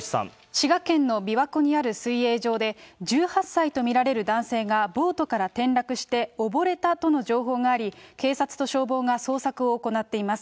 滋賀県の琵琶湖にある水泳場で、１８歳と見られる男性がボートから転落して溺れたとの情報があり、警察と消防が捜索を行っています。